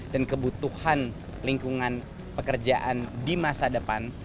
dan kebutuhan lingkungan pekerjaan di masa depan